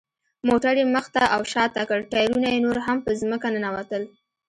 موټر یې مخ ته او شاته کړ، ټایرونه یې نور هم په ځمکه ننوتل.